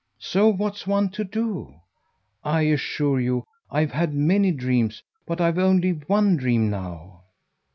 So what's one to do? I assure you I've had many dreams. But I've only one dream now."